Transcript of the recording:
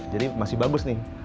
jadi masih bagus nih